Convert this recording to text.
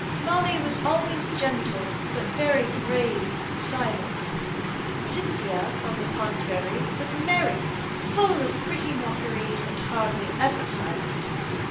Molly was always gentle, but very grave and silent. Cynthia, on the contrary, was merry, full of pretty mockeries, and hardly ever silent.